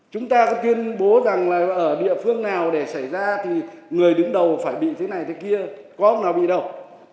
chúng ta có tuyên bố rằng là ở địa phương nào để xảy ra thì người đứng đầu phải bị thế này thế kia có ông nào bị đâu